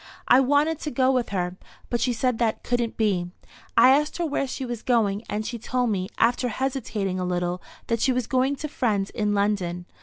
I wanted to go with her, but she said that couldn't be. I asked her where she was going, and she told me, after hesitating a little, that she was going to friends in London.